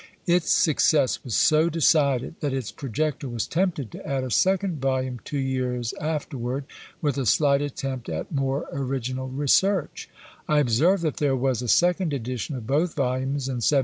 Its success was so decided, that its projector was tempted to add a second volume two years afterward, with a slight attempt at more original research; I observe that there was a second edition of both volumes in 1794.